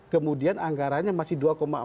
kemudian anggarannya masih dua empat